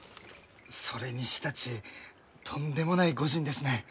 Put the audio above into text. それにしたちとんでもない御仁ですね。